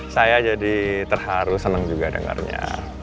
saya jadi terharu senang juga dengarnya